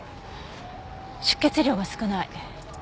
出血量が少ない？